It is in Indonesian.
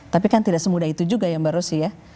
tapi kan tidak semudah itu juga yang baru sih ya